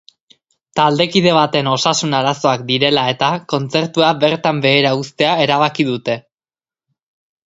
Taldekide baten osasun arazoak direla eta, kontzertua bertan behera uztea erabaki dute.